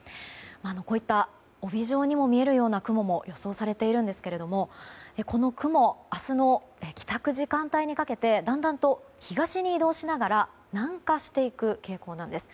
こういった帯状にも見えるような雲も予想されていますがこの雲明日の帰宅時間帯にかけてだんだんと東に移動しながら南下していく傾向なんです。